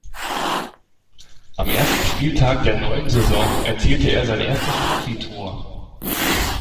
Am ersten Spieltag der neuen Saison erzielte er sein erstes Profitor.